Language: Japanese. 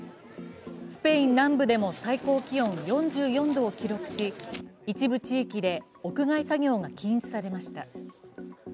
スペイン南部でも最高気温４４度を記録し一部地域で屋外作業が禁止されました。